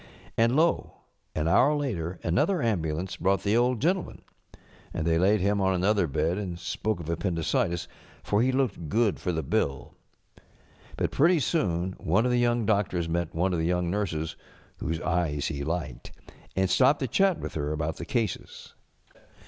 And lo! an hour later another ambulance brought the Old Gentleman. And they laid him on another bed and spoke of appendicitis, for he looked good for the bill. But pretty soon one of the young doctors met one of the young nurses whose eyes he liked, and stopped to chat with her about the cases.